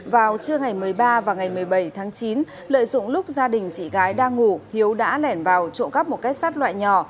vào trưa ngày một mươi ba và ngày một mươi bảy tháng chín lợi dụng lúc gia đình chị gái đang ngủ hiếu đã lẻn vào trộm cắp một cái sắt loại nhỏ